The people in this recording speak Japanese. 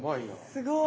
すごい。